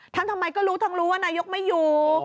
ทำไมก็รู้ทั้งรู้ว่านายกไม่อยู่